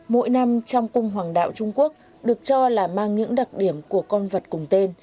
mỗi năm trong cung hoàng đạo trung quốc được cho là mang những đặc điểm của con vật cùng tên